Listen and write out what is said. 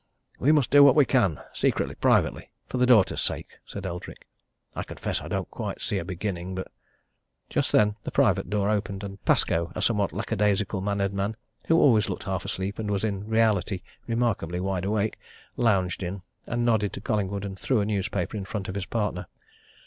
"We must do what we can secretly, privately, for the daughter's sake," said Eldrick. "I confess I don't quite see a beginning, but " Just then the private door opened, and Pascoe, a somewhat lackadaisical mannered man, who always looked half asleep, and was in reality remarkably wide awake, lounged in, nodded to Collingwood, and threw a newspaper in front of his partner.